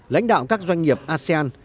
lãnh đạo các doanh nghiệp asean